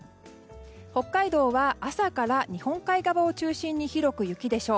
北海道は朝から日本海側を中心に広く雪でしょう。